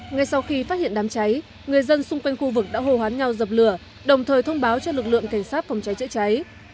ngay sau khi phát hiện đám cháy người dân xung quanh khu vực đã hồ hoán nhau dập lửa đồng thời thông báo cho lực lượng cảnh sát phòng cháy chữa cháy